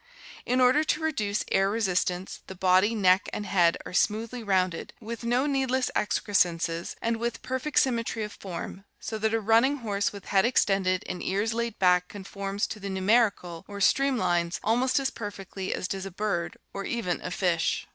In order to reduce air re sistance the body, neck, and head are smoothly rounded, with no needless excrescences and with perfect symmetry of form, so that a running horse with head extended and ears laid back conforms to the "numerical" or stream lines almost as perfectly as does a bird or even a fish.